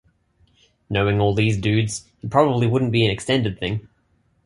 Knowing all these dudes, it probably wouldn't be an extended thing.